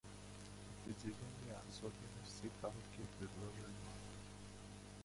Определение и особенности коротких предложений